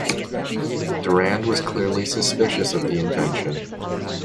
Durand was clearly suspicious of the invention.